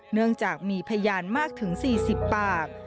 เนื่องจากมีพยานมากถึง๔๐ปาก